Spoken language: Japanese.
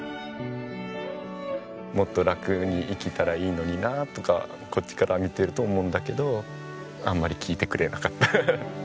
もっと楽に生きたらいいのになとかこっちから見てると思うんだけどあんまり聞いてくれなかった。